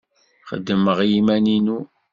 Xeddmeɣ i yiman-inu.